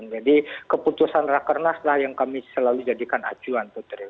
jadi keputusan raker nas lah yang kami selalu jadikan acuan putri